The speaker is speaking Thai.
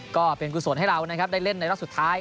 ก็เป็นกุศลให้เราได้เล่นในรอบสุดท้าย